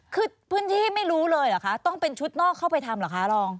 คือพื้นที่ไม่รู้เลยเหรอคะต้องเป็นชุดนอกเข้าไปทำเหรอคะรอง